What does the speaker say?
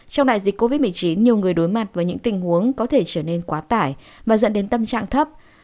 trong đại dịch covid một mươi chín nhiều người đối mặt với những tình huống có thể trở nên quá tải và dẫn đến tâm trạng thấp